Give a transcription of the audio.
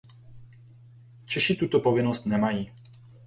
Češi tuto povinnost nemají.